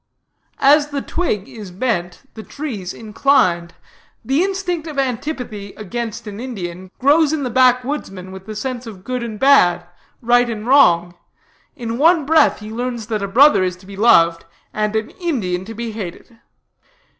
"As the twig is bent the tree's inclined." The instinct of antipathy against an Indian grows in the backwoodsman with the sense of good and bad, right and wrong. In one breath he learns that a brother is to be loved, and an Indian to be hated.